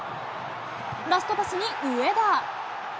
ラストパスに上田。